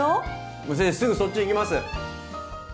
もう先生すぐそっち行きます！